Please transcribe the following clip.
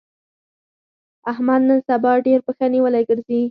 احمد نن سبا ډېر پښه نيولی ګرځي.